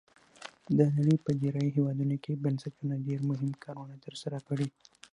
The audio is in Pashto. د نړۍ په ډیری هیوادونو کې بنسټونو ډیر مهم کارونه تر سره کړي.